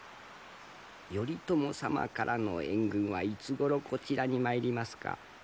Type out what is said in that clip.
頼朝様からの援軍はいつごろこちらに参りますか？